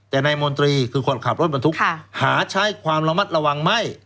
แต่นายมนตรีคือคนขับรถบรรทุกหาใช้ความระมัดระวังไม่